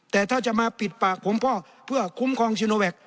แต่ถ้าจะมาปิดปากของพ่อเพื่อขุมครองชิโนแวก